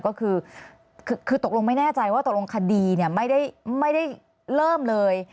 ก็คือคือตกลงไม่แน่ใจว่าตกลงคดีเนี่ยไม่ได้ไม่ได้เริ่มเลย